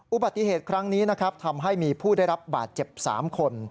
อุบัติเหตุครั้งนี้นะครับทำให้มีผู้ได้รับบาดเจ็บ๓คน